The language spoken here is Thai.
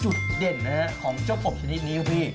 จุดเด่นนะฮะของเจ้ากบชนิดนี้ครับพี่